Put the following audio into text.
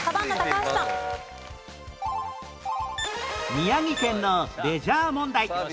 宮城県のレジャー問題